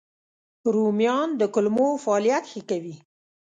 رومیان د کولمو فعالیت ښه کوي